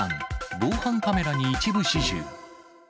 防犯カメラに一部始終。